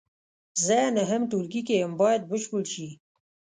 زه نهم ټولګي کې یم باید بشپړ شي.